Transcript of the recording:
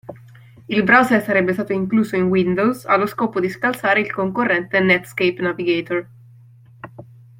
Il browser sarebbe stato incluso in Windows allo scopo di scalzare il concorrente Netscape Navigator.